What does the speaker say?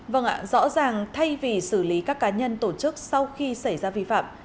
vâng ạ rõ ràng thay vì xử lý các cá nhân tổ chức sau khi xảy ra vi phạm